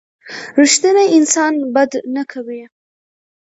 رښتینی انسان بد نه کوي.